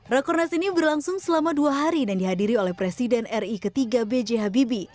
rekornas ini berlangsung selama dua hari dan dihadiri oleh presiden ri ketiga b j habibie